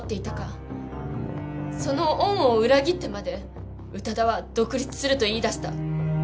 その恩を裏切ってまで宇多田は独立すると言い出した。